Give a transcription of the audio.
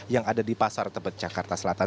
yang ada di pasar tebet jakarta selatan